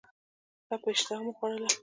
ښه په اشتهامو وخوړله.